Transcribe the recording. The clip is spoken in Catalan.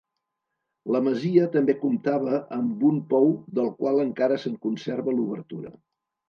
La masia també comptava amb un pou del qual encara se'n conserva l'obertura.